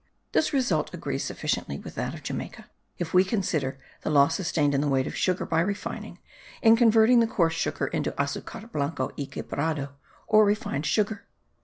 This result agrees sufficiently with that of Jamaica, if we consider the loss sustained in the weight of sugar by refining, in converting the coarse sugar into azucar blanco y quebrado) or refined sugar.